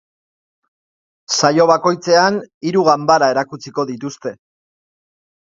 Saio bakoitzean hiru ganbara erakutsiko dituzte.